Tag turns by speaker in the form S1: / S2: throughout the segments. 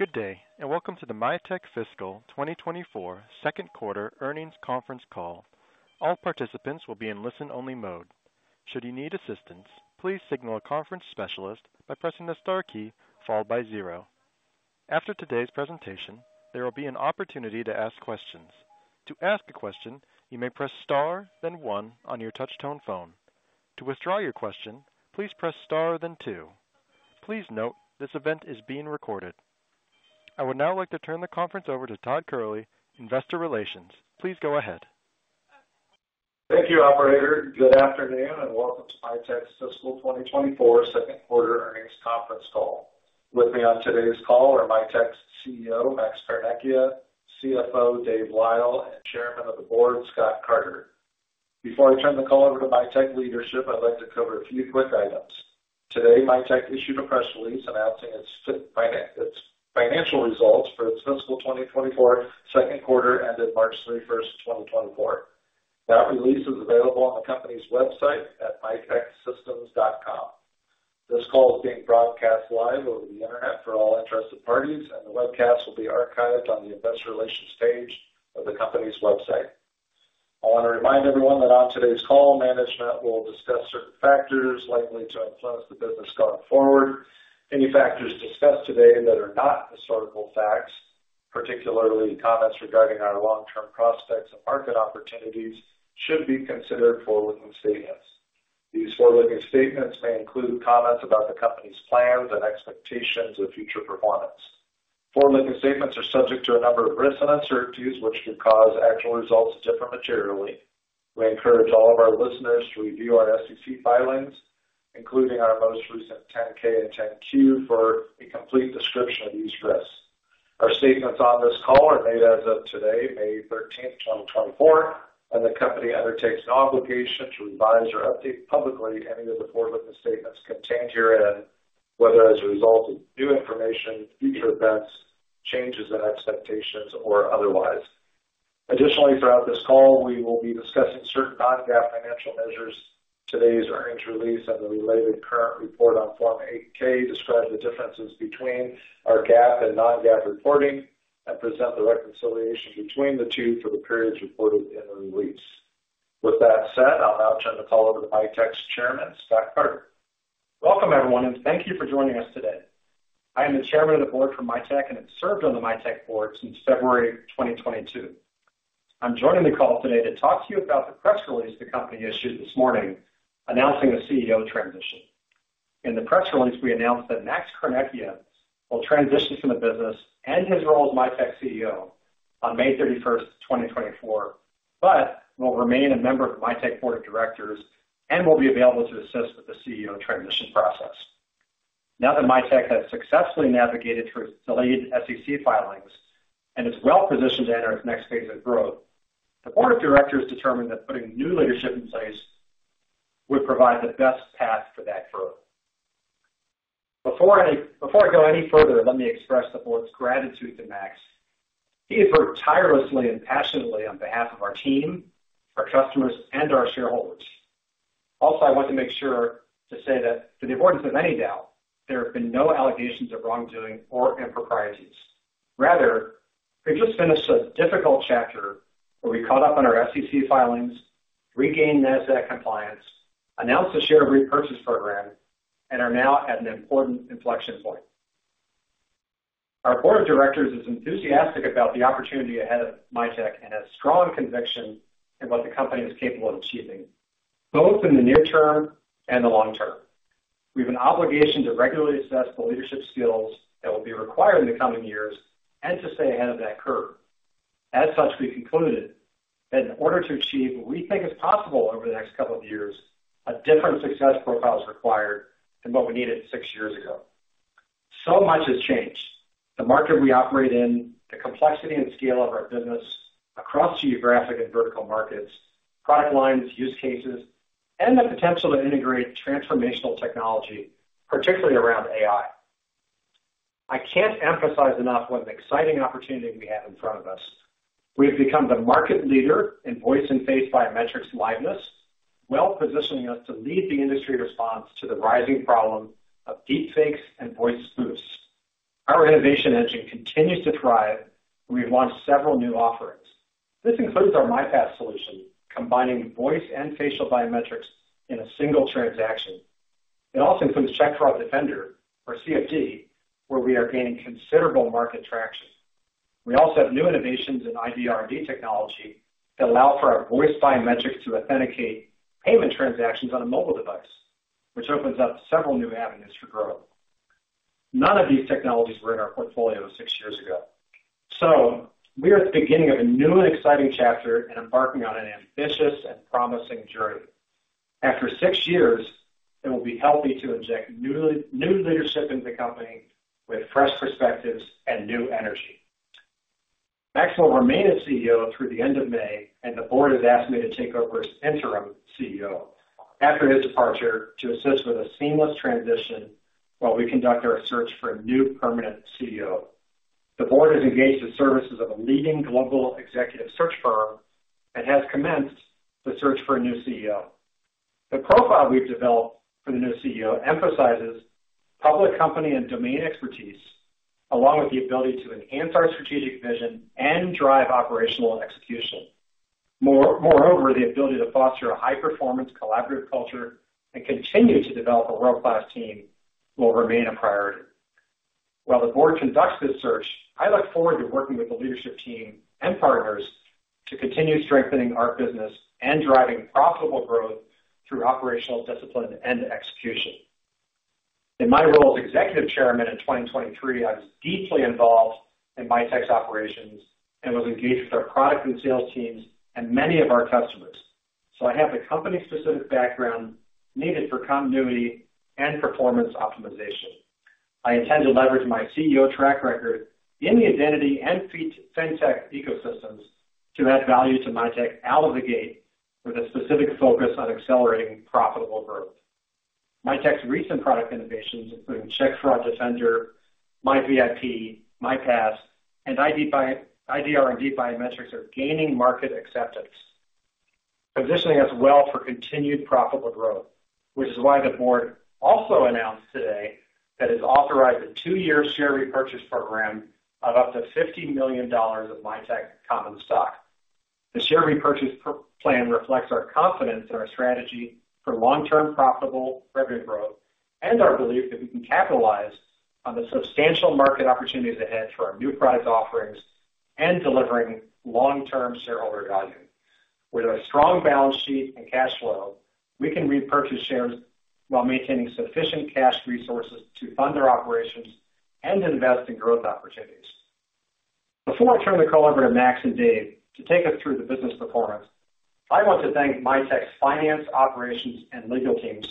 S1: Good day, and welcome to the Mitek FY 2024 second quarter earnings conference call. All participants will be in listen-only mode. Should you need assistance, please signal a conference specialist by pressing the star key followed by zero. After today's presentation, there will be an opportunity to ask questions. To ask a question, you may press star, then one on your touchtone phone. To withdraw your question, please press star, then two. Please note, this event is being recorded. I would now like to turn the conference over to Todd Kehrli, Investor Relations. Please go ahead.
S2: Thank you, operator. Good afternoon, and welcome to Mitek's FY 2024 second quarter earnings conference call. With me on today's call are Mitek's CEO, Max Carnecchia, CFO, Dave Lyle, and Chairman of the Board, Scott Carter. Before I turn the call over to Mitek leadership, I'd like to cover a few quick items. Today, Mitek issued a press release announcing its financial results for its FY 2024 second quarter ended March 31st, 2024. That release is available on the company's website at miteksystems.com. This call is being broadcast live over the internet for all interested parties, and the webcast will be archived on the investor relations page of the company's website. I want to remind everyone that on today's call, management will discuss certain factors likely to influence the business going forward. Any factors discussed today that are not historical facts, particularly comments regarding our long-term prospects and market opportunities, should be considered forward-looking statements. These forward-looking statements may include comments about the company's plans and expectations of future performance. Forward-looking statements are subject to a number of risks and uncertainties, which could cause actual results to differ materially. We encourage all of our listeners to review our SEC filings, including our most recent 10-K and 10-Q, for a complete description of these risks. Our statements on this call are made as of today, May 13th, 2024, and the company undertakes no obligation to revise or update publicly any of the forward-looking statements contained herein, whether as a result of new information, future events, changes in expectations, or otherwise. Additionally, throughout this call, we will be discussing certain non-GAAP financial measures. Today's earnings release and the related current report on Form 8-K describe the differences between our GAAP and non-GAAP reporting and present the reconciliation between the two for the periods reported in the release. With that said, I'll now turn the call over to Mitek's chairman, Scott Carter.
S3: Welcome, everyone, and thank you for joining us today. I am the chairman of the board for Mitek, and have served on the Mitek board since February 2022. I'm joining the call today to talk to you about the press release the company issued this morning announcing a CEO transition. In the press release, we announced that Max Carnecchia will transition from the business and his role as Mitek CEO on May 31st, 2024, but will remain a member of the Mitek board of directors and will be available to assist with the CEO transition process. Now that Mitek has successfully navigated through its delayed SEC filings and is well positioned to enter its next phase of growth, the board of directors determined that putting new leadership in place would provide the best path for that growth. Before I go any further, let me express the board's gratitude to Max. He has worked tirelessly and passionately on behalf of our team, our customers, and our shareholders. Also, I want to make sure to say that to the avoidance of any doubt, there have been no allegations of wrongdoing or improprieties. Rather, we've just finished a difficult chapter where we caught up on our SEC filings, regained Nasdaq compliance, announced a share repurchase program, and are now at an important inflection point. Our board of directors is enthusiastic about the opportunity ahead of Mitek and has strong conviction in what the company is capable of achieving, both in the near term and the long term. We have an obligation to regularly assess the leadership skills that will be required in the coming years and to stay ahead of that curve. As such, we concluded that in order to achieve what we think is possible over the next couple of years, a different success profile is required than what we needed six years ago. So much has changed. The market we operate in, the complexity and scale of our business across geographic and vertical markets, product lines, use cases, and the potential to integrate transformational technology, particularly around AI. I can't emphasize enough what an exciting opportunity we have in front of us. We have become the market leader in voice and face biometrics liveness, well-positioning us to lead the industry response to the rising problem of deepfakes and voice spoofs. Our innovation engine continues to thrive, and we've launched several new offerings. This includes our MiPass solution, combining voice and facial biometrics in a single transaction. It also includes Check Fraud Defender, or CFD, where we are gaining considerable market traction. We also have new innovations in ID R&D technology that allow for our voice biometrics to authenticate payment transactions on a mobile device, which opens up several new avenues for growth. None of these technologies were in our portfolio six years ago. So we are at the beginning of a new and exciting chapter and embarking on an ambitious and promising journey. After six years, it will be healthy to inject new leadership into the company with fresh perspectives and new energy. Max will remain as CEO through the end of May, and the board has asked me to take over as interim CEO after his departure to assist with a seamless transition while we conduct our search for a new permanent CEO. The board has engaged the services of a leading global executive search firm and has commenced the search for a new CEO. The profile we've developed for the new CEO emphasizes public company and domain expertise, along with the ability to enhance our strategic vision and drive operational execution. More, moreover, the ability to foster a high-performance collaborative culture and continue to develop a world-class team will remain a priority. While the board conducts this search, I look forward to working with the leadership team and partners to continue strengthening our business and driving profitable growth through operational discipline and execution. In my role as executive chairman in 2023, I was deeply involved in Mitek's operations and was engaged with our product and sales teams and many of our customers. So I have the company-specific background needed for continuity and performance optimization. I intend to leverage my CEO track record in the identity and fintech ecosystems to add value to Mitek out of the gate, with a specific focus on accelerating profitable growth. Mitek's recent product innovations, including Check Fraud Defender, MiVIP, MiPass, and ID R&D Biometrics, are gaining market acceptance, positioning us well for continued profitable growth, which is why the board also announced today that it's authorized a two-year share repurchase program of up to $50 million of Mitek common stock. The share repurchase plan reflects our confidence in our strategy for long-term profitable revenue growth and our belief that we can capitalize on the substantial market opportunities ahead for our new prize offerings and delivering long-term shareholder value. With a strong balance sheet and cash flow, we can repurchase shares while maintaining sufficient cash resources to fund our operations and invest in growth opportunities. Before I turn the call over to Max and Dave to take us through the business performance, I want to thank Mitek's finance, operations, and legal teams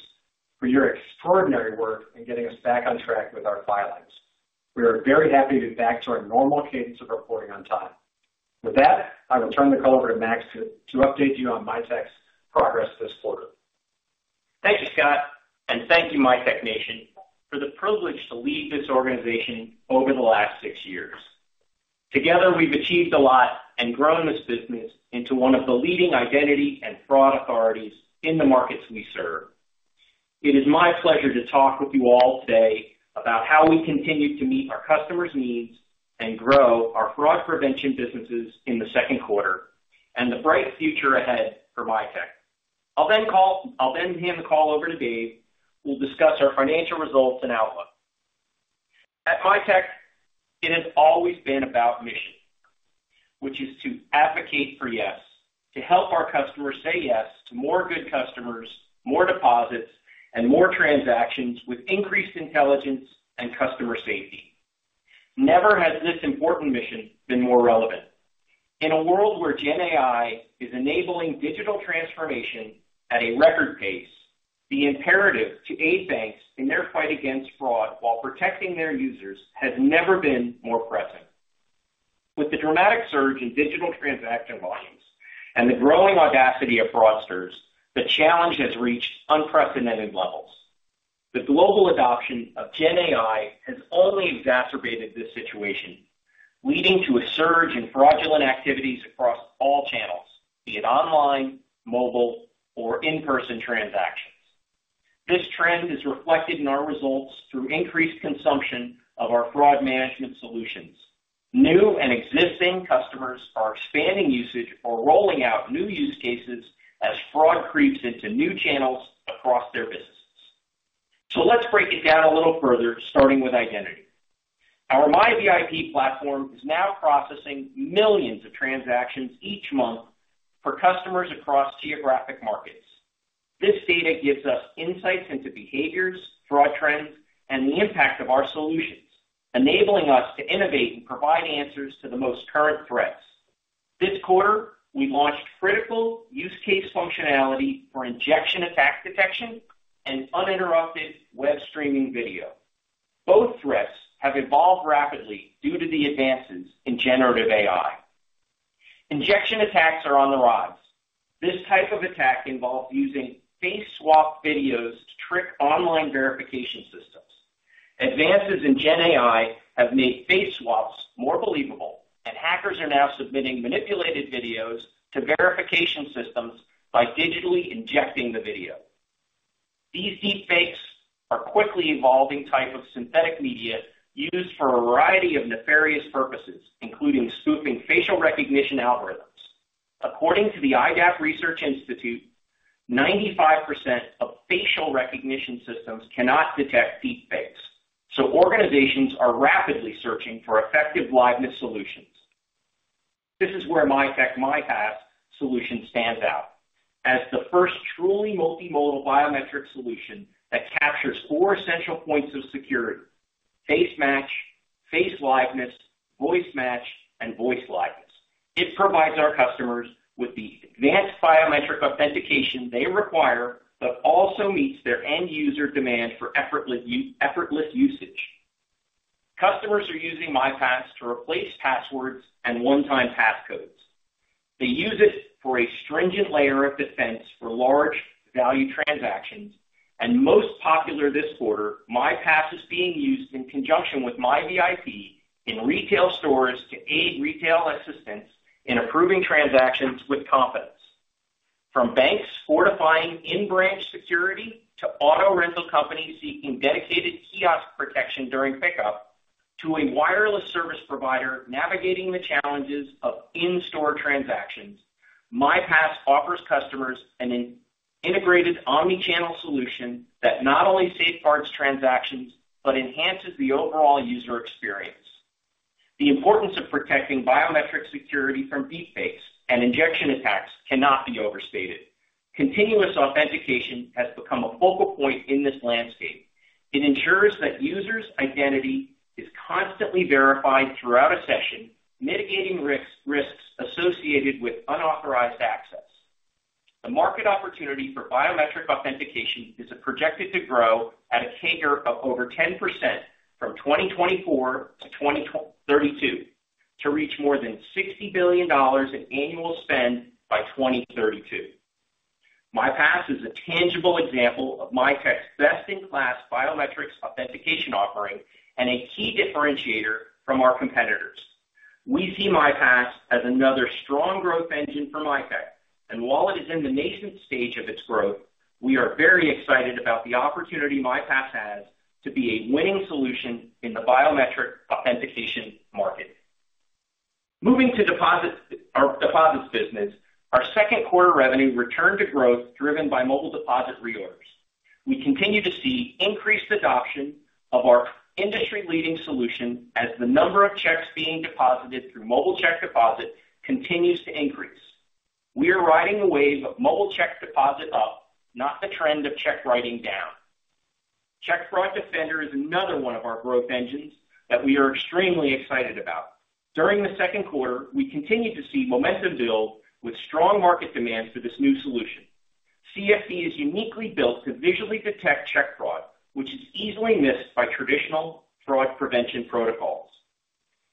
S3: for your extraordinary work in getting us back on track with our filings. We are very happy to be back to our normal cadence of reporting on time. With that, I will turn the call over to Max to update you on Mitek's progress this quarter.
S4: Thank you, Scott, and thank you, Mitek nation, for the privilege to lead this organization over the last six years. Together, we've achieved a lot and grown this business into one of the leading identity and fraud authorities in the markets we serve. It is my pleasure to talk with you all today about how we continue to meet our customers' needs and grow our fraud prevention businesses in the second quarter, and the bright future ahead for Mitek. I'll then hand the call over to Dave, who will discuss our financial results and outlook. At Mitek, it has always been about mission, which is to advocate for yes, to help our customers say yes to more good customers, more deposits, and more transactions with increased intelligence and customer safety. Never has this important mission been more relevant. In a world where GenAI is enabling digital transformation at a record pace, the imperative to aid banks in their fight against fraud while protecting their users has never been more present. With the dramatic surge in digital transaction volumes and the growing audacity of fraudsters, the challenge has reached unprecedented levels. The global adoption of GenAI has only exacerbated this situation, leading to a surge in fraudulent activities across all channels, be it online, mobile, or in-person transactions. This trend is reflected in our results through increased consumption of our fraud management solutions. New and existing customers are expanding usage or rolling out new use cases as fraud creeps into new channels across their businesses. So let's break it down a little further, starting with identity. Our MiVIP platform is now processing millions of transactions each month for customers across geographic markets. This data gives us insights into behaviors, fraud trends, and the impact of our solutions, enabling us to innovate and provide answers to the most current threats. This quarter, we launched critical use case functionality for injection attack detection and uninterrupted web streaming video. Both threats have evolved rapidly due to the advances in generative AI. Injection attacks are on the rise. This type of attack involves using face swap videos to trick online verification systems. Advances in GenAI have made face swaps more believable, and hackers are now submitting manipulated videos to verification systems by digitally injecting the video. These deepfakes are a quickly evolving type of synthetic media used for a variety of nefarious purposes, including spoofing facial recognition algorithms. According to the Idiap Research Institute, 95% of facial recognition systems cannot detect deepfakes, so organizations are rapidly searching for effective liveness solutions. This is where Mitek MiPass solution stands out as the first truly multimodal biometric solution that captures four essential points of security: face match, face liveness, voice match, and voice liveness. It provides our customers with the advanced biometric authentication they require, but also meets their end user demand for effortless usage. Customers are using MiPass to replace passwords and one-time pass codes. They use it for a stringent layer of defense for large value transactions. And most popular this quarter, MiPass is being used in conjunction with MiVIP in retail stores to aid retail assistants in approving transactions with confidence. From banks fortifying in-branch security, to auto rental companies seeking dedicated kiosk protection during pickup, to a wireless service provider navigating the challenges of in-store transactions, MiPass offers customers an integrated omni-channel solution that not only safeguards transactions, but enhances the overall user experience. The importance of protecting biometric security from deepfakes and injection attacks cannot be overstated. Continuous authentication has become a focal point in this landscape. It ensures that users' identity is constantly verified throughout a session, mitigating risks associated with unauthorized access. The market opportunity for biometric authentication is projected to grow at a CAGR of over 10% from 2024 to 2032 to reach more than $60 billion in annual spend by 2032. MiPass is a tangible example of Mitek's best-in-class biometrics authentication offering and a key differentiator from our competitors. We see MiPass as another strong growth engine for Mitek, and while it is in the nascent stage of its growth, we are very excited about the opportunity MiPass has to be a winning solution in the biometric authentication market. Moving to deposit, our deposits business, our second quarter revenue returned to growth, driven by mobile deposit reorders. We continue to see increased adoption of our industry-leading solution as the number of checks being deposited through mobile check deposit continues to increase. We are riding the wave of mobile check deposit up, not the trend of check writing down. Check Fraud Defender is another one of our growth engines that we are extremely excited about. During the second quarter, we continued to see momentum build with strong market demand for this new solution. CFD is uniquely built to visually detect check fraud, which is easily missed by traditional fraud prevention protocols.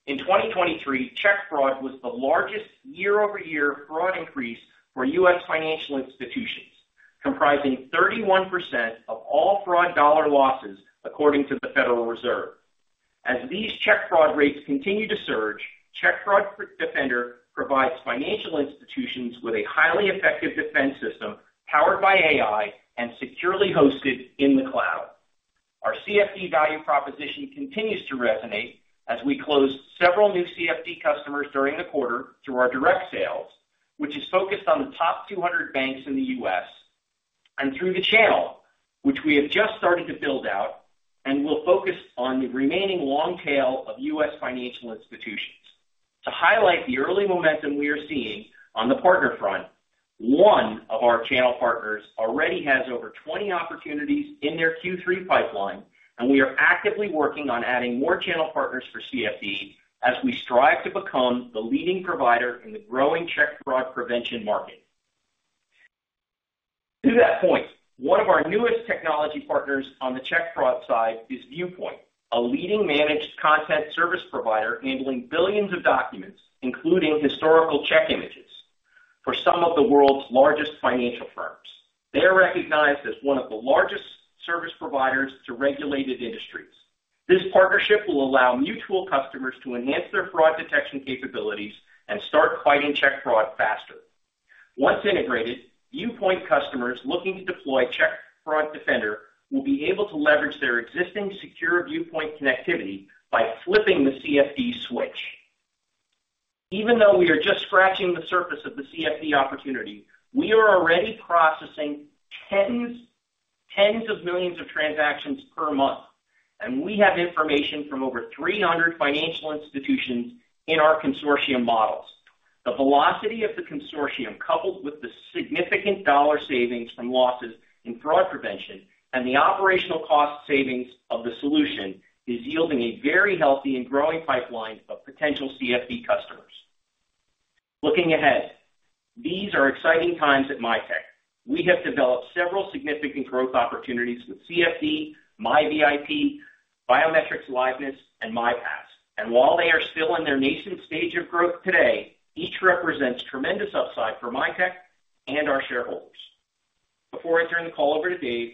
S4: In 2023, check fraud was the largest year-over-year fraud increase for U.S. financial institutions, comprising 31% of all fraud dollar losses, according to the Federal Reserve. As these check fraud rates continue to surge, Check Fraud Defender provides financial institutions with a highly effective defense system powered by AI and securely hosted in the cloud. Our CFD value proposition continues to resonate as we closed several new CFD customers during the quarter through our direct sales, which is focused on the top 200 banks in the U.S., and through the channel, which we have just started to build out and will focus on the remaining long tail of U.S. financial institutions. To highlight the early momentum we are seeing on the partner front, one of our channel partners already has over 20 opportunities in their Q3 pipeline, and we are actively working on adding more channel partners for CFD as we strive to become the leading provider in the growing check fraud prevention market. To that point, one of our newest technology partners on the check fraud side is Viewpointe, a leading managed content service provider handling billions of documents, including historical check images, for some of the world's largest financial firms. They are recognized as one of the largest service providers to regulated industries. This partnership will allow mutual customers to enhance their fraud detection capabilities and start fighting check fraud faster. Once integrated, Viewpointe customers looking to deploy Check Fraud Defender will be able to leverage their existing secure Viewpointe connectivity by flipping the CFD switch. Even though we are just scratching the surface of the CFD opportunity, we are already processing tens, tens of millions of transactions per month, and we have information from over 300 financial institutions in our consortium models. The velocity of the consortium, coupled with the significant dollar savings from losses in fraud prevention and the operational cost savings of the solution, is yielding a very healthy and growing pipeline of potential CFD customers. Looking ahead, these are exciting times at Mitek. We have developed several significant growth opportunities with CFD, MiVIP, biometrics liveness, and MiPass. And while they are still in their nascent stage of growth today, each represents tremendous upside for Mitek and our shareholders. Before I turn the call over to Dave,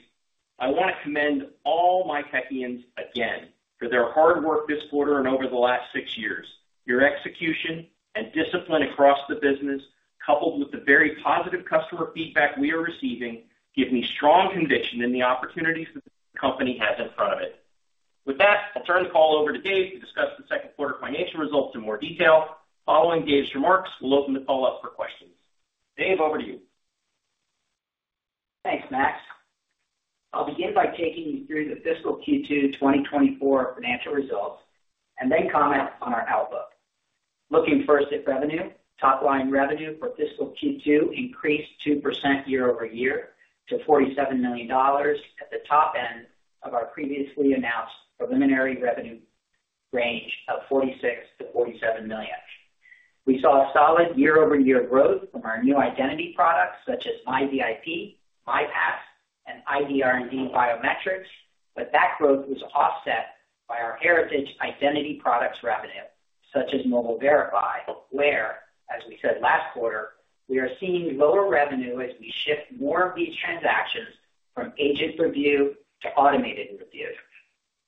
S4: I want to commend all Mitekians again for their hard work this quarter and over the last six years. Your execution and discipline across the business, coupled with the very positive customer feedback we are receiving, give me strong conviction in the opportunities the company has in front of it. With that, I'll turn the call over to Dave to discuss the second quarter financial results in more detail. Following Dave's remarks, we'll open the call up for questions. Dave, over to you.
S5: Thanks, Max. I'll begin by taking you through the fiscal Q2 2024 financial results and then comment on our outlook. Looking first at revenue, top-line revenue for fiscal Q2 increased 2% year-over-year to $47 million, at the top end of our previously announced preliminary revenue range of $46 million-$47 million. We saw a solid year-over-year growth from our new identity products, such as MiVIP, MiPass, and ID R&D biometrics, but that growth was offset by our heritage identity products revenue, such as Mobile Verify, where, as we said last quarter, we are seeing lower revenue as we shift more of these transactions from agent review to automated review.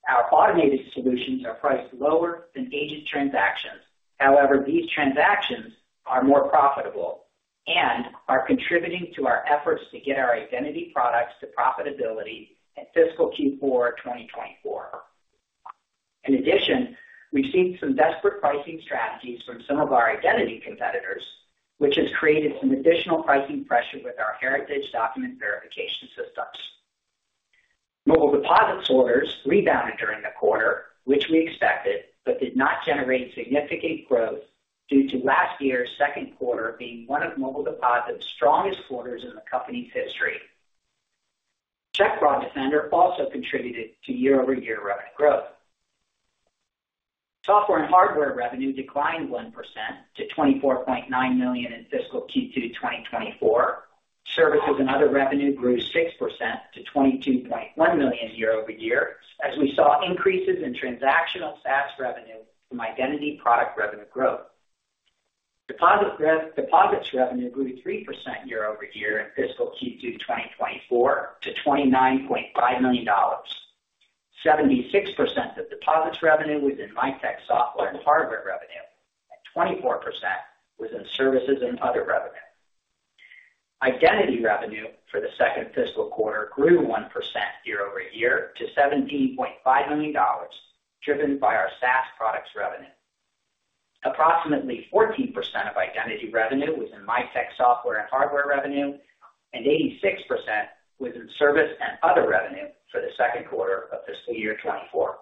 S5: Our automated solutions are priced lower than agent transactions. However, these transactions are more profitable and are contributing to our efforts to get our identity products to profitability in fiscal Q4 2024. In addition, we've seen some desperate pricing strategies from some of our identity competitors, which has created some additional pricing pressure with our heritage document verification systems. Mobile Deposit's orders rebounded during the quarter, which we expected, but did not generate significant growth due to last year's second quarter being one of Mobile Deposit's strongest quarters in the company's history. Check Fraud Defender also contributed to year-over-year revenue growth. Software and hardware revenue declined 1% to $24.9 million in fiscal Q2 2024. Services and other revenue grew 6% to $22.1 million year-over-year, as we saw increases in transactional SaaS revenue from identity product revenue growth. Deposit re-deposits revenue grew 3% year-over-year in fiscal Q2 2024 to $29.5 million. 76% of deposits revenue was in Mitek software and hardware revenue, and 24% was in services and other revenue. Identity revenue for the second fiscal quarter grew 1% year-over-year to $17.5 million, driven by our SaaS products revenue. Approximately 14% of identity revenue was in Mitek software and hardware revenue, and 86% was in service and other revenue for the second quarter of fiscal year 2024.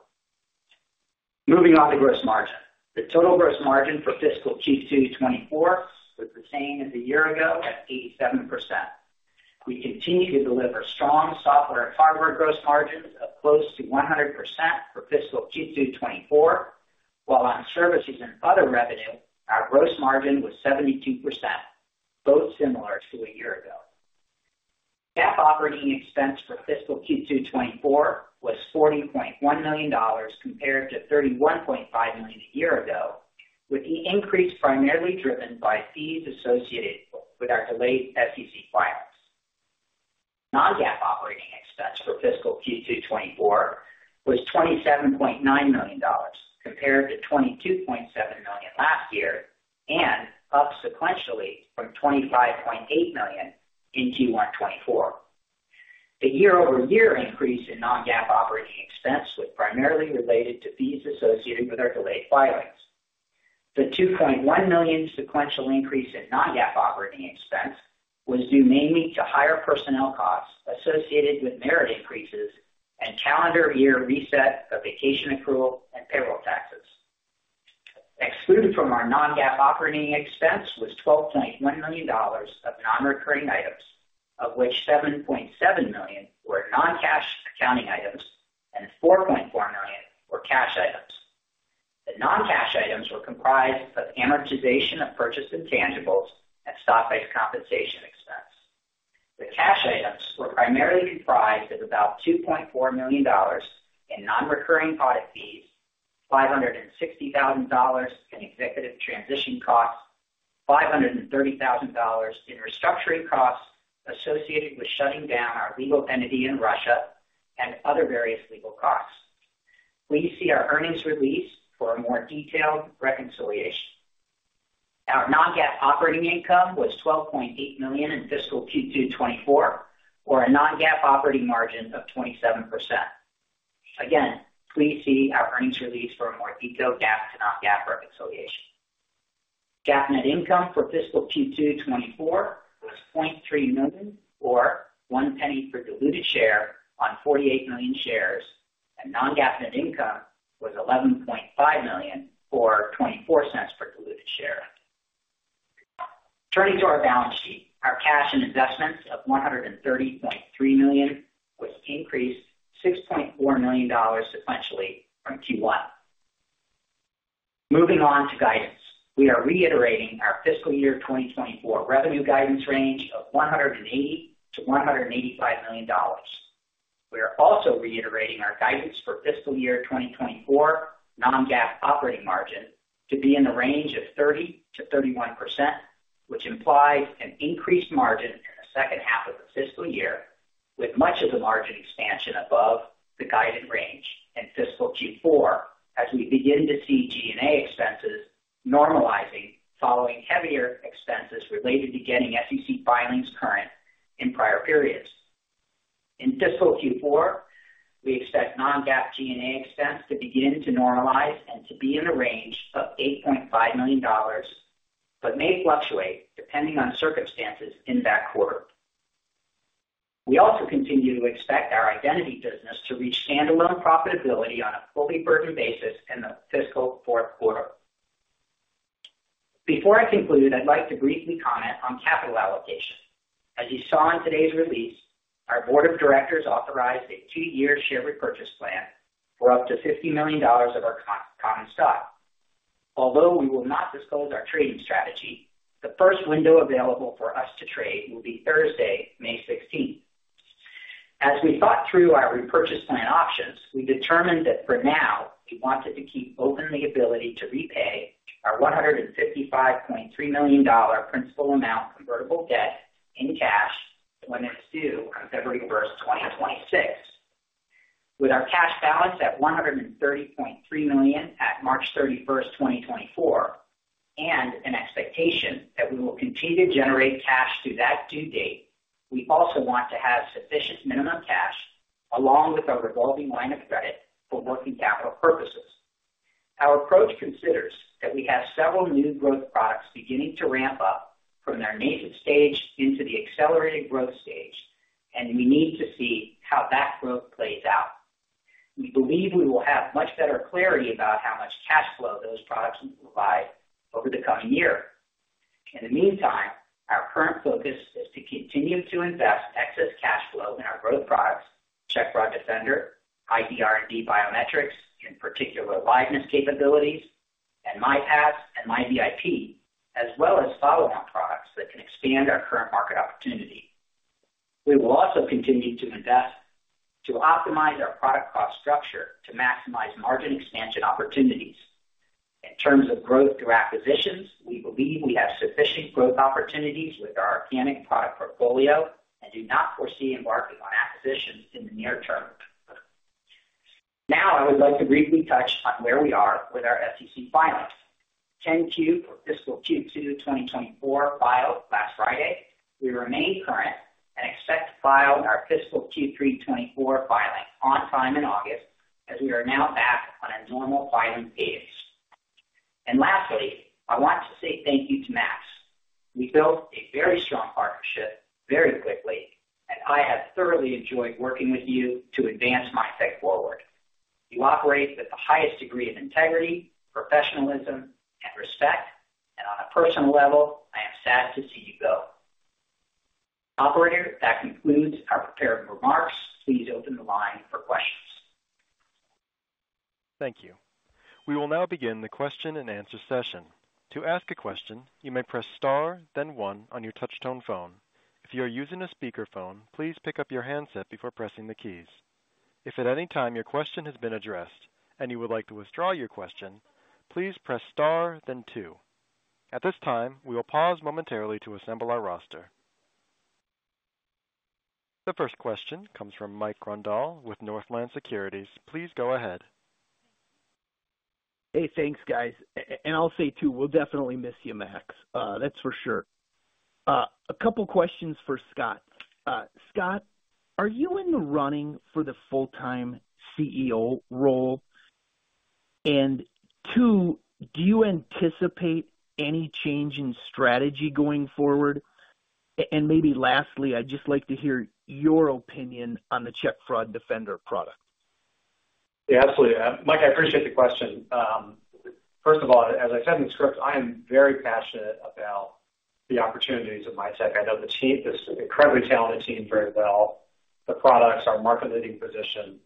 S5: Moving on to gross margin. The total gross margin for fiscal Q2 2024 was the same as a year ago at 87%. We continue to deliver strong software and hardware gross margins of close to 100% for fiscal Q2 2024, while on services and other revenue, our gross margin was 72%, both similar to a year ago. GAAP operating expense for fiscal Q2 2024 was $40.1 million compared to $31.5 million a year ago, with the increase primarily driven by fees associated with our delayed SEC filings. Non-GAAP operating expense for fiscal Q2 2024 was $27.9 million, compared to $22.7 million last year and up sequentially from $25.8 million in Q1 2024. The year-over-year increase in non-GAAP operating expense was primarily related to fees associated with our delayed filings. The $2.1 million sequential increase in non-GAAP operating expense was due mainly to higher personnel costs associated with merit increases and calendar year reset of vacation accrual and payroll taxes. Excluded from our non-GAAP operating expense was $12.1 million of non-recurring items, of which $7.7 million were non-cash accounting items and $4.4 million were cash items. The non-cash items were comprised of amortization of purchased intangibles and stock-based compensation expense. The cash items were primarily comprised of about $2.4 million in non-recurring product fees, $560,000 in executive transition costs, $530,000 in restructuring costs associated with shutting down our legal entity in Russia and other various legal costs. Please see our earnings release for a more detailed reconciliation. Our non-GAAP operating income was $12.8 million in fiscal Q2 2024, or a non-GAAP operating margin of 27%. Again, please see our earnings release for a more detailed GAAP to non-GAAP reconciliation. GAAP net income for fiscal Q2 2024 was $0.3 million, or $0.01 per diluted share on 48 million shares, and non-GAAP net income was $11.5 million, or $0.24 per diluted share. Turning to our balance sheet. Our cash and investments of $130.3 million was increased $6.4 million sequentially from Q1. Moving on to guidance. We are reiterating our fiscal year 2024 revenue guidance range of $180 million-$185 million. We are also reiterating our guidance for fiscal year 2024 non-GAAP operating margin to be in the range of 30%-31%, which implies an increased margin in the second half of the fiscal year, with much of the margin expansion above the guided range in fiscal Q4 as we begin to see G&A expenses normalizing following heavier expenses related to getting SEC filings current in prior periods. In fiscal Q4, we expect non-GAAP G&A expense to begin to normalize and to be in a range of $8.5 million, but may fluctuate depending on circumstances in that quarter. We also continue to expect our identity business to reach standalone profitability on a fully burdened basis in the fiscal fourth quarter. Before I conclude, I'd like to briefly comment on capital allocation. As you saw in today's release, our board of directors authorized a two-year share repurchase plan for up to $50 million of our common stock. Although we will not disclose our trading strategy, the first window available for us to trade will be Thursday, May 16th. As we thought through our repurchase plan options, we determined that for now, we wanted to keep open the ability to repay our $155.3 million principal amount convertible debt in cash when it's due on February 1st, 2026. With our cash balance at $130.3 million at March 31, 2024, and an expectation that we will continue to generate cash through that due date, we also want to have sufficient minimum cash, along with our revolving line of credit, for working capital purposes. Our approach considers that we have several new growth products beginning to ramp up from their nascent stage into the accelerated growth stage, and we need to see how that growth plays out. We believe we will have much better clarity about how much cash flow those products can provide over the coming year. In the meantime, our current focus is to continue to invest excess cash flow in our growth products, Check Fraud Defender, ID R&D Biometrics, in particular, liveness capabilities, and MiPass and MiVIP, as well as follow-on products that can expand our current market opportunity. We will also continue to invest to optimize our product cost structure to maximize margin expansion opportunities. In terms of growth through acquisitions, we believe we have sufficient growth opportunities with our organic product portfolio and do not foresee embarking on acquisitions in the near term. Now, I would like to briefly touch on where we are with our SEC filings. 10-Q for fiscal Q2 2024 filed last Friday. We remain current and expect to file our fiscal Q3 2024 filing on time in August, as we are now back on a normal filing cadence. Lastly, I want to say thank you to Max. We built a very strong partnership very quickly, and I have thoroughly enjoyed working with you to advance Mitek forward. You operate with the highest degree of integrity, professionalism and respect, and on a personal level, I am sad to see you go. Operator, that concludes our prepared remarks. Please open the line for questions.
S1: Thank you. We will now begin the question-and-answer session. To ask a question, you may press star, then one on your touchtone phone. If you are using a speakerphone, please pick up your handset before pressing the keys. If at any time your question has been addressed and you would like to withdraw your question, please press star then two. At this time, we will pause momentarily to assemble our roster. The first question comes from Mike Grondahl with Northland Securities. Please go ahead.
S6: Hey, thanks, guys. And I'll say, too, we'll definitely miss you, Max. That's for sure. A couple questions for Scott. Scott, are you in the running for the full-time CEO role? And two, do you anticipate any change in strategy going forward? And maybe lastly, I'd just like to hear your opinion on the Check Fraud Defender product.
S3: Yeah, absolutely. Mike, I appreciate the question. First of all, as I said in the script, I am very passionate about the opportunities at Mitek. I know the team, this incredibly talented team, very well. The products, our market-leading position.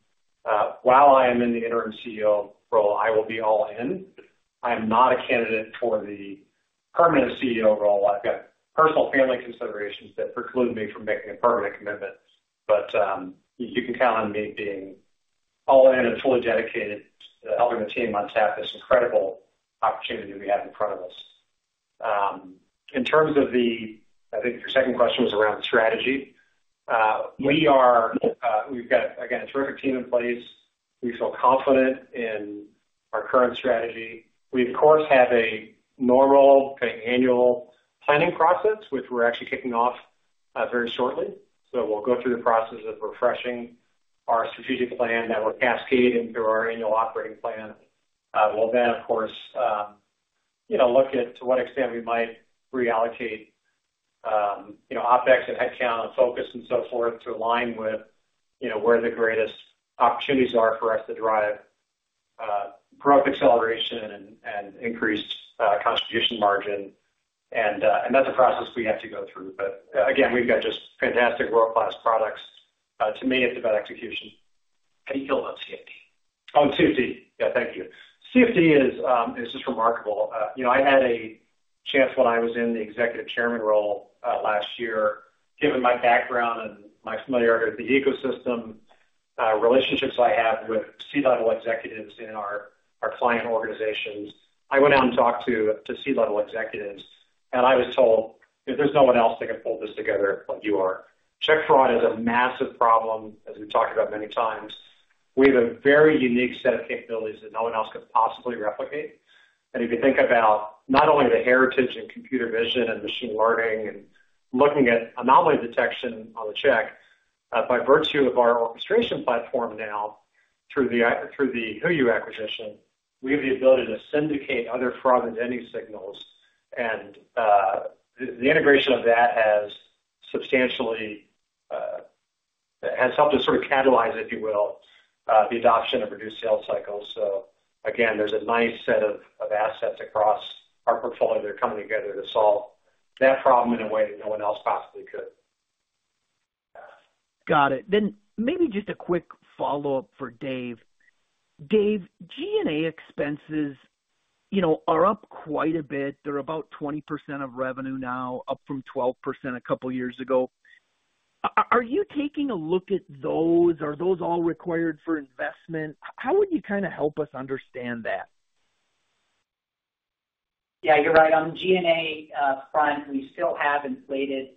S3: While I am in the interim CEO role, I will be all in. I am not a candidate for the permanent CEO role. I've got personal family considerations that preclude me from making a permanent commitment. But, you can count on me being all in and fully dedicated to helping the team unpack this incredible opportunity we have in front of us. In terms of the... I think your second question was around strategy. We are, we've got, again, a terrific team in place. We feel confident in our current strategy. We, of course, have a normal annual planning process, which we're actually kicking off very shortly. So we'll go through the process of refreshing our strategic plan that will cascade into our annual operating plan. We'll then, of course, you know, look at to what extent we might reallocate, you know, OpEx and headcount and focus and so forth to align with, you know, where the greatest opportunities are for us to drive product acceleration and increased contribution margin. And that's a process we have to go through. But again, we've got just fantastic world-class products. To me, it's about execution.
S5: Can you go on CFD?
S3: On CFD? Yeah, thank you. CFD is just remarkable. You know, I had a chance when I was in the Executive Chairman role last year. Given my background and my familiarity with the ecosystem, relationships I have with C-level executives in our client organizations, I went out and talked to C-level executives, and I was told, "There's no one else that can pull this together like you are." Check fraud is a massive problem, as we've talked about many times. We have a very unique set of capabilities that no one else could possibly replicate. If you think about not only the heritage in computer vision and machine learning and looking at anomaly detection on the check, by virtue of our orchestration platform now, through the HooYu acquisition, we have the ability to syndicate other fraud and vendor signals. The integration of that has substantially helped to sort of catalyze, if you will, the adoption of reduced sales cycles. Again, there's a nice set of assets across our portfolio that are coming together to solve that problem in a way that no one else possibly could.
S6: Got it. Then maybe just a quick follow-up for Dave. Dave, G&A expenses, you know, are up quite a bit. They're about 20% of revenue now, up from 12% a couple years ago. Are you taking a look at those? Are those all required for investment? How would you kind of help us understand that?
S5: Yeah, you're right. On the G&A front, we still have inflated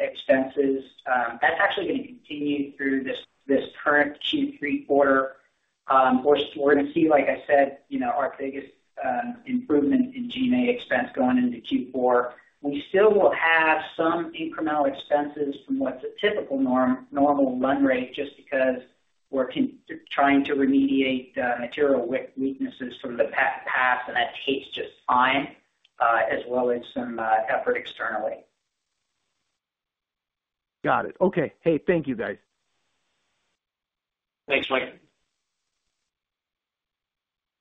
S5: expenses. That's actually going to continue through this current Q3 quarter. Which we're going to see, like I said, you know, our biggest improvement in G&A expense going into Q4. We still will have some incremental expenses from what's a typical normal run rate, just because we're trying to remediate material weaknesses from the past, and that takes just time, as well as some effort externally.
S6: Got it. Okay. Hey, thank you, guys.
S4: Thanks, Mike.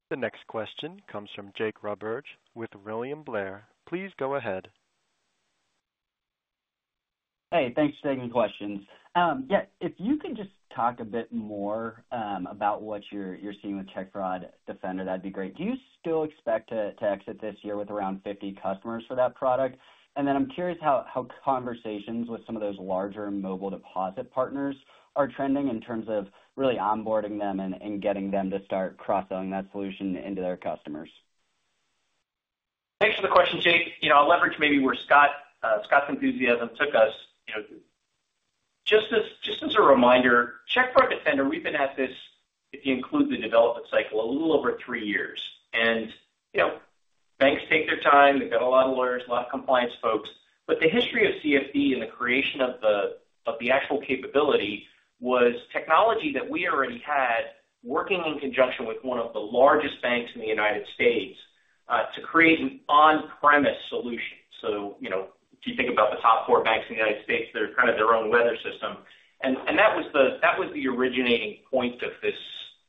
S1: The next question comes from Jake Roberge with William Blair. Please go ahead.
S7: Hey, thanks for taking the questions. Yeah, if you can just talk a bit more about what you're seeing with Check Fraud Defender, that'd be great. Do you still expect to exit this year with around 50 customers for that product? And then I'm curious how conversations with some of those larger mobile deposit partners are trending in terms of really onboarding them and getting them to start cross-selling that solution into their customers.
S4: Thanks for the question, Jake. You know, I'll leverage maybe where Scott, Scott's enthusiasm took us. You know, just as, just as a reminder, Check Fraud Defender, we've been at this, if you include the development cycle, a little over three years. And, you know, banks take their time. They've got a lot of lawyers, a lot of compliance folks. But the history of CFD and the creation of the, of the actual capability was technology that we already had working in conjunction with one of the largest banks in the United States, to create an on-premise solution. So, you know, if you think about the top four banks in the United States, they're kind of their own weather system. And, and that was the, that was the originating point of this,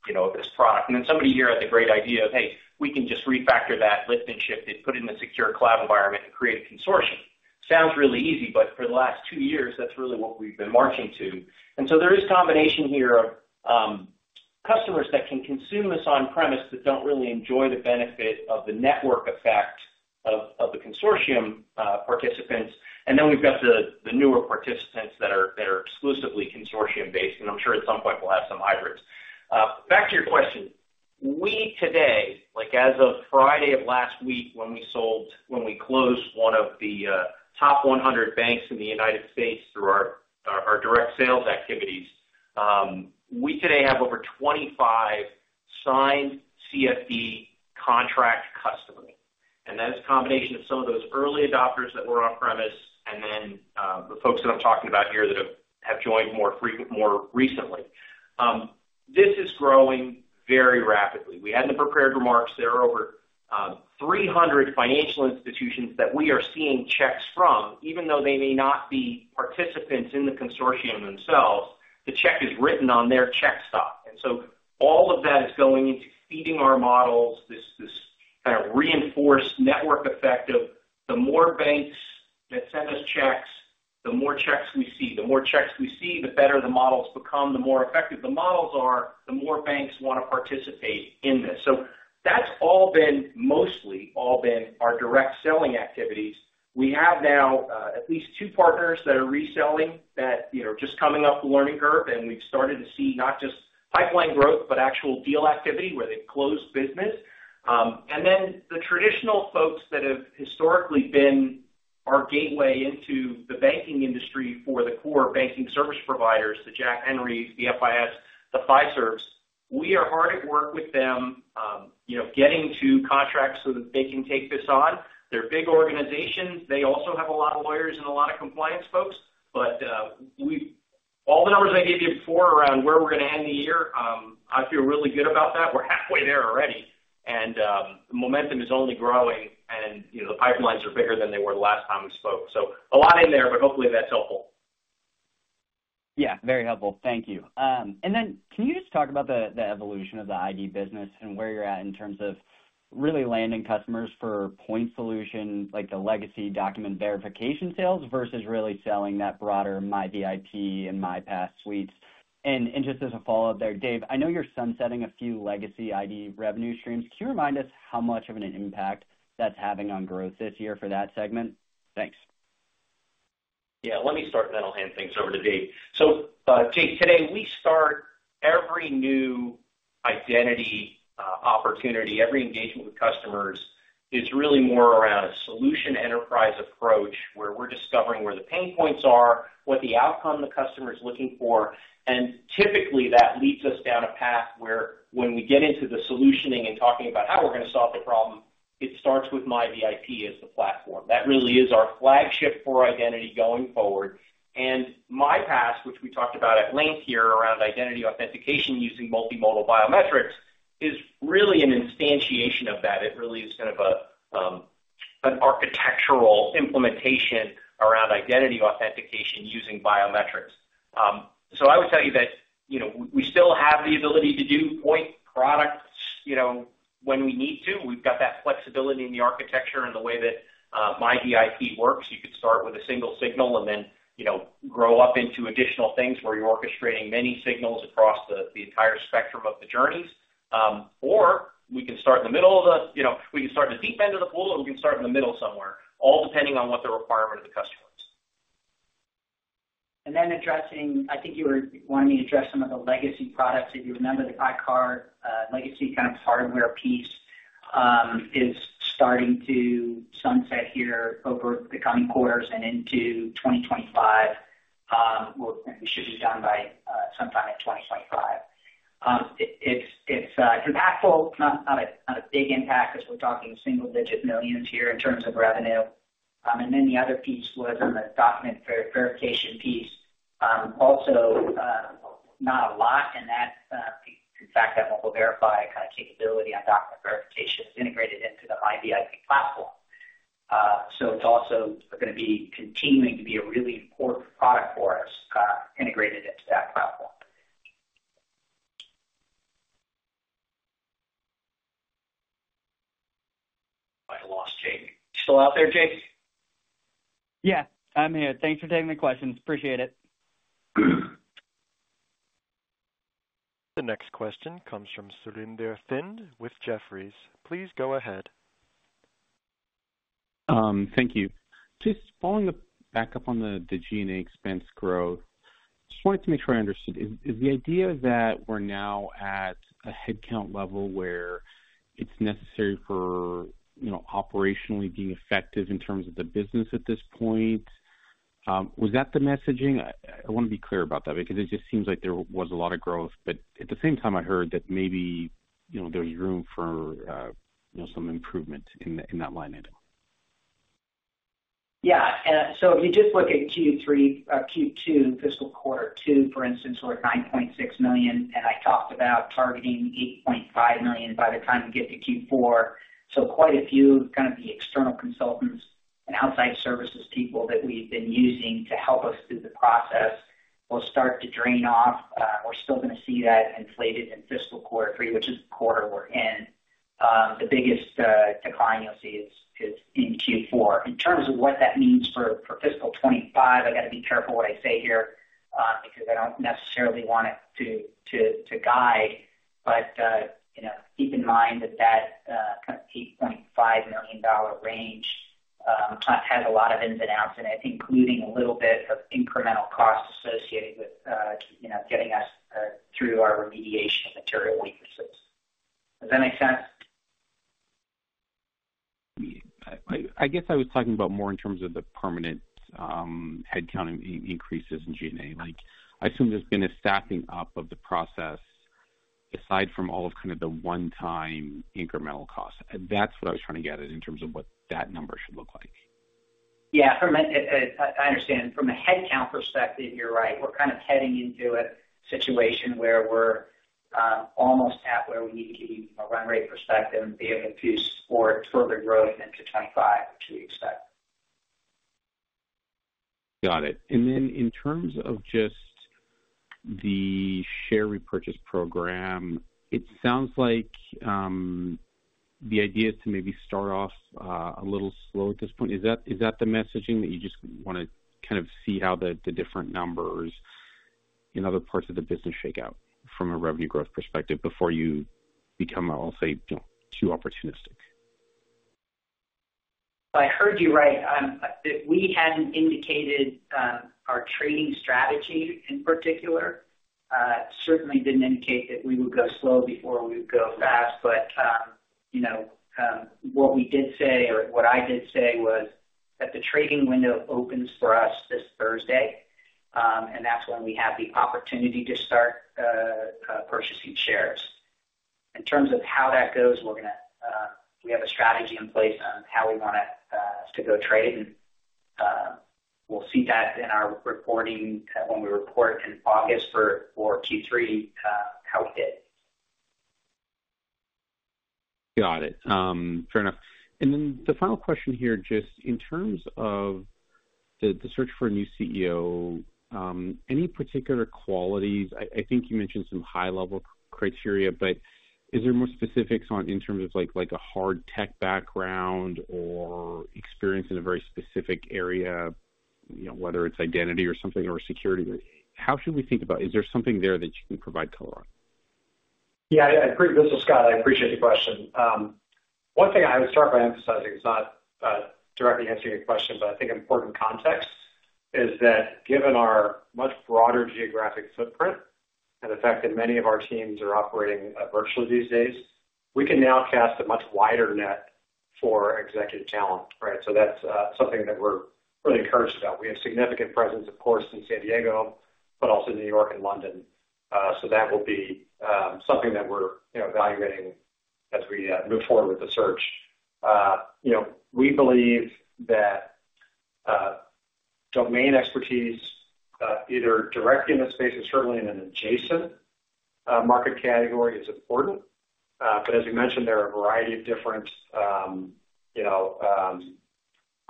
S4: you know, this product. And then somebody here had the great idea of, "Hey, we can just refactor that, lift and shift it, put it in a secure cloud environment and create a consortium." Sounds really easy, but for the last two years, that's really what we've been marching to. And so there is combination here of, customers that can consume this on-premise, but don't really enjoy the benefit of the network effect of the consortium, participants. And then we've got the newer participants that are exclusively consortium-based, and I'm sure at some point we'll have some hybrids. Back to your question. We today, like as of Friday of last week, when we closed one of the top 100 banks in the United States through our direct sales activities, we today have over 25 signed CFD contract customers, and that is a combination of some of those early adopters that were on-premise and then the folks that I'm talking about here that have joined more recently. This is growing very rapidly. We had in the prepared remarks, there are over 300 financial institutions that we are seeing checks from, even though they may not be participants in the consortium themselves, the check is written on their check stock. And so all of that is going into feeding our models, this, this kind of reinforced network effect of the more banks that send us checks, the more checks we see. The more checks we see, the better the models become, the more effective the models are, the more banks want to participate in this. So that's all been, mostly all been our direct selling activities. We have now at least two partners that are reselling that, you know, just coming up the learning curve, and we've started to see not just pipeline growth, but actual deal activity where they've closed business. And then the traditional folks that have historically been our gateway into the banking industry for the core banking service providers, the Jack Henry, the FIS, the Fiservs, we are hard at work with them, you know, getting to contract so that they can take this on. They're big organizations. They also have a lot of lawyers and a lot of compliance folks. But, we've all the numbers I gave you before around where we're going to end the year, I feel really good about that. We're halfway there already, and, the momentum is only growing and, you know, the pipelines are bigger than they were the last time we spoke. So a lot in there, but hopefully that's helpful.
S7: Yeah, very helpful. Thank you. And then can you just talk about the, the evolution of the ID business and where you're at in terms of really landing customers for point solution, like the legacy document verification sales, versus really selling that broader MiVIP and MiPass suites? And just as a follow-up there, Dave, I know you're sunsetting a few legacy ID revenue streams. Can you remind us how much of an impact that's having on growth this year for that segment? Thanks.
S4: Yeah, let me start, then I'll hand things over to Dave. So, Jake, today, we start every new identity opportunity, every engagement with customers is really more around a solution enterprise approach, where we're discovering where the pain points are, what the outcome the customer is looking for. And typically, that leads us down a path where when we get into the solutioning and talking about how we're going to solve the problem, it starts with MiVIP as the platform. That really is our flagship for identity going forward. And MiPass, which we talked about at length here, around identity authentication using multimodal biometrics, is really an instantiation of that. It really is kind of a, an architectural implementation around identity authentication using biometrics. So I would tell you that, you know, we still have the ability to do point product, you know, when we need to, we've got that flexibility in the architecture and the way that, MiVIP works. You could start with a single signal and then, you know, grow up into additional things where you're orchestrating many signals across the entire spectrum of the journeys. Or we can start in the middle of the, you know, we can start in the deep end of the pool, or we can start in the middle somewhere, all depending on what the requirement of the customer is.
S5: And then addressing, I think you were wanting me to address some of the legacy products. If you remember, the ICAR, legacy kind of hardware piece, is starting to sunset here over the coming quarters and into 2025. Well, it should be done by sometime in 2025. It's impactful, not a big impact, because we're talking single-digit million dollars here in terms of revenue. And then the other piece was on the document verification piece. Also, not a lot in that. In fact, that Mobile Verify kind of capability on document verification is integrated into the MiVIP platform. So it's also going to be continuing to be a really important product for us, integrated into that platform.
S3: I lost Jake. You still out there, Jake?
S7: Yeah, I'm here. Thanks for taking the questions. Appreciate it.
S1: The next question comes from Surinder Thind with Jefferies. Please go ahead.
S8: Thank you. Just following up on the G&A expense growth, just wanted to make sure I understood. Is the idea that we're now at a headcount level where it's necessary for, you know, operationally being effective in terms of the business at this point? Was that the messaging? I want to be clear about that because it just seems like there was a lot of growth, but at the same time, I heard that maybe, you know, there's room for some improvement in that line item.
S5: Yeah. So if you just look at Q3, Q2, fiscal quarter two, for instance, we're at $9.6 million, and I talked about targeting $8.5 million by the time we get to Q4. So quite a few kind of the external consultants and outside services people that we've been using to help us through the process will start to drain off. We're still going to see that inflated in fiscal quarter three, which is the quarter we're in. The biggest decline you'll see is in Q4. In terms of what that means for FY 2025, I've got to be careful what I say here, because I don't necessarily want it to guide. But, you know, keep in mind that that kind of $8.5 million range has a lot of ins and outs in it, including a little bit of incremental costs associated with, you know, getting us through our remediation of material weaknesses. Does that make sense?
S8: I guess I was talking about more in terms of the permanent headcount increases in G&A. Like, I assume there's been a staffing up of the process, aside from all of kind of the one-time incremental costs. That's what I was trying to get at in terms of what that number should look like.
S5: Yeah, I understand. From a headcount perspective, you're right. We're kind of heading into a situation where we're almost at where we need to be from a run rate perspective and be able to support further growth into 2025, which we expect.
S8: Got it. And then in terms of just the share repurchase program, it sounds like, the idea is to maybe start off, a little slow at this point. Is that, is that the messaging that you just want to kind of see how the, the different numbers in other parts of the business shake out from a revenue growth perspective before you become, I'll say, you know, too opportunistic?
S5: I heard you right. We hadn't indicated our trading strategy in particular. Certainly didn't indicate that we would go slow before we would go fast. But, you know, what we did say, or what I did say, was that the trading window opens for us this Thursday, and that's when we have the opportunity to start purchasing shares. In terms of how that goes, we're gonna we have a strategy in place on how we want to to go trade, and we'll see that in our reporting when we report in August for Q3 how it did.
S8: Got it. Fair enough. And then the final question here, just in terms of the search for a new CEO, any particular qualities? I think you mentioned some high-level criteria, but is there more specifics on in terms of like a hard tech background or experience in a very specific area, you know, whether it's identity or something, or security? How should we think about it? Is there something there that you can provide color on?
S3: Yeah. This is Scott. I appreciate the question. One thing I would start by emphasizing is not directly answering your question, but I think important context is that given our much broader geographic footprint and the fact that many of our teams are operating virtually these days, we can now cast a much wider net for executive talent, right? So that's something that we're really encouraged about. We have significant presence, of course, in San Diego, but also in New York and London. So that will be something that we're, you know, evaluating as we move forward with the search. You know, we believe that domain expertise either directly in this space or certainly in an adjacent market category is important. But as you mentioned, there are a variety of different, you know...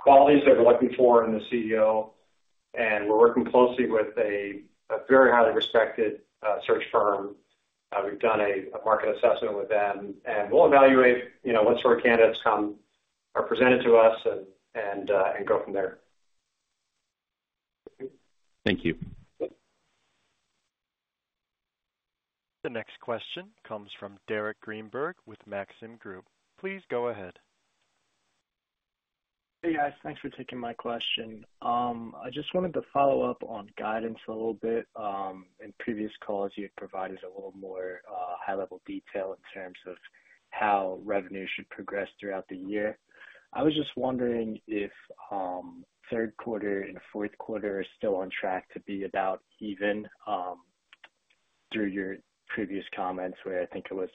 S3: qualities that we're looking for in the CEO, and we're working closely with a very highly respected search firm. We've done a market assessment with them, and we'll evaluate, you know, what sort of candidates are presented to us and go from there.
S8: Thank you.
S3: Yep.
S1: The next question comes from Derek Greenberg with Maxim Group. Please go ahead.
S9: Hey, guys. Thanks for taking my question. I just wanted to follow up on guidance a little bit. In previous calls, you had provided a little more high-level detail in terms of how revenue should progress throughout the year. I was just wondering if third quarter and fourth quarter are still on track to be about even through your previous comments, where I think it was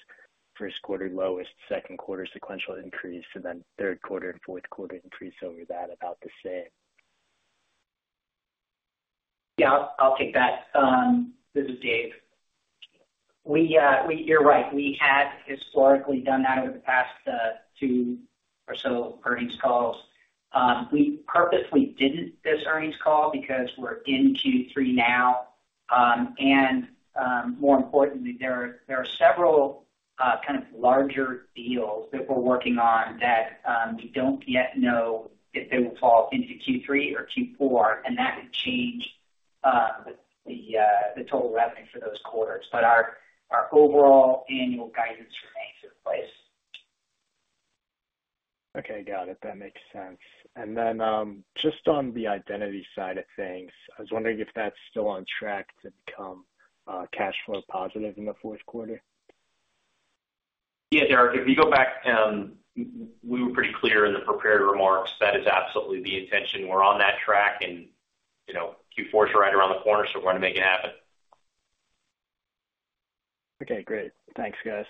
S9: first quarter lowest, second quarter sequential increase, and then third quarter and fourth quarter increase over that, about the same.
S5: Yeah, I'll, I'll take that. This is Dave. We, we—you're right. We had historically done that over the past, two or so earnings calls. We purposefully didn't this earnings call because we're in Q3 now, and, more importantly, there are, there are several, kind of larger deals that we're working on that, we don't yet know if they will fall into Q3 or Q4, and that could change, the, the total revenue for those quarters. But our, our overall annual guidance remains in place.
S9: Okay, got it. That makes sense. And then, just on the identity side of things, I was wondering if that's still on track to become cash flow positive in the fourth quarter?
S3: Yeah, Derek, if you go back, we were pretty clear in the prepared remarks, that is absolutely the intention. We're on that track and, you know, Q4 is right around the corner, so we're gonna make it happen.
S9: Okay, great. Thanks, guys.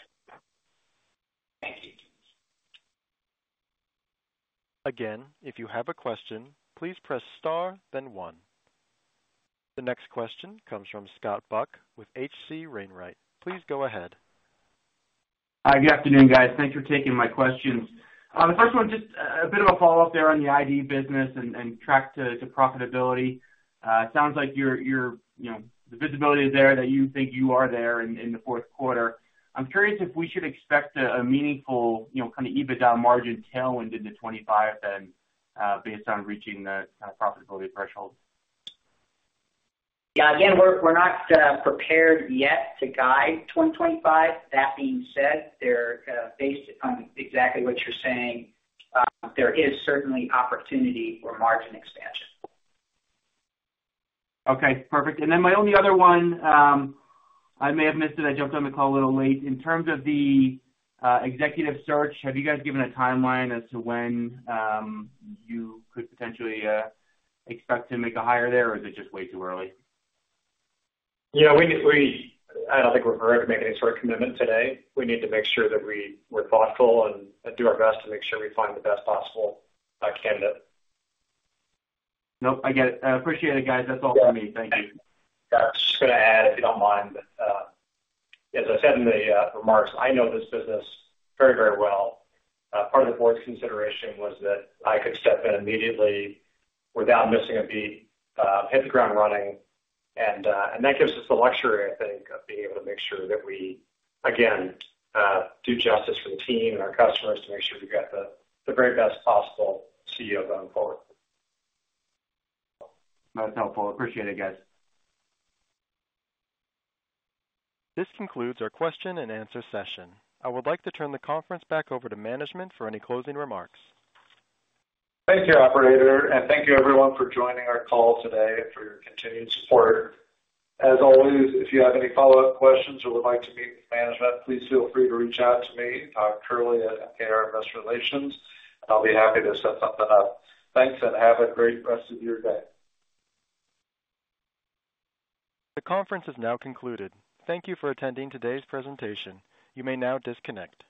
S5: Thank you.
S1: Again, if you have a question, please press star then one. The next question comes from Scott Buck with H.C. Wainwright. Please go ahead.
S10: Hi, good afternoon, guys. Thanks for taking my questions. The first one, just a bit of a follow-up there on the ID business and track to profitability. It sounds like you're -- you know, the visibility is there, that you think you are there in the fourth quarter. I'm curious if we should expect a meaningful, you know, kind of EBITDA margin tailwind into 2025 then, based on reaching the kind of profitability threshold?
S5: Yeah, again, we're not prepared yet to guide 2025. That being said, based on exactly what you're saying, there is certainly opportunity for margin expansion.
S10: Okay, perfect. And then my only other one, I may have missed it, I jumped on the call a little late. In terms of the, executive search, have you guys given a timeline as to when, you could potentially, expect to make a hire there, or is it just way too early?
S3: Yeah, we -- I don't think we're ready to make any sort of commitment today. We need to make sure that we're thoughtful and do our best to make sure we find the best possible candidate.
S10: Nope, I get it. I appreciate it, guys. That's all for me. Thank you.
S3: Yeah. Just gonna add, if you don't mind, but, as I said in the remarks, I know this business very, very well. Part of the board's consideration was that I could step in immediately without missing a beat, hit the ground running, and that gives us the luxury, I think, of being able to make sure that we, again, do justice for the team and our customers to make sure we get the very best possible CEO going forward.
S10: That's helpful. Appreciate it, guys.
S1: This concludes our question and answer session. I would like to turn the conference back over to management for any closing remarks.
S2: Thank you, operator, and thank you everyone for joining our call today and for your continued support. As always, if you have any follow-up questions or would like to meet with management, please feel free to reach out to me, currently at MKR Investor Relations, and I'll be happy to set something up. Thanks, and have a great rest of your day.
S1: The conference is now concluded. Thank you for attending today's presentation. You may now disconnect.